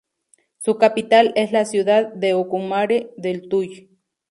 Su capital es la ciudad de Ocumare del Tuy.